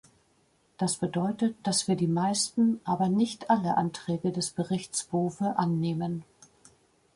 Das bedeutet, dass wir die meisten, aber nicht alle Anträge des Berichts Bowe annehmen.